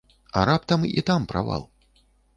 А раптам і там правал?